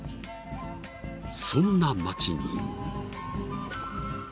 ［そんな町に］